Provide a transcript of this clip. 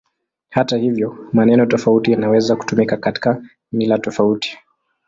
Hata hivyo, maneno tofauti yanaweza kutumika katika mila tofauti.